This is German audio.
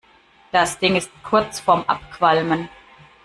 Das Ding ist kurz vorm Abqualmen.